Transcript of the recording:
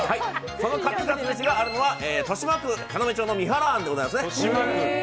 そのカツカツ飯があるのは豊島区要町のみはら庵でございます。